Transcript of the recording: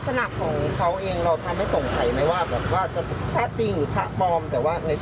แบบว่าพระจริงพระปลอมแต่ว่าในใจตอนนั้น